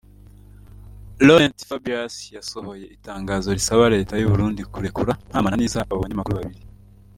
Laurent Fabius yasohoye itangazo risaba Leta y’u Burundi kurekura nta mananiza abo banyamakuru babiri